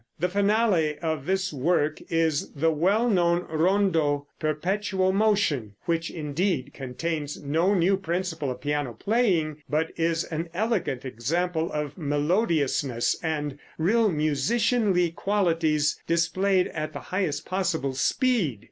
The finale of this work is the well known rondo "Perpetual Motion," which, indeed, contains no new principle of piano playing, but is an elegant example of melodiousness and real musicianly qualities displayed at the highest possible speed.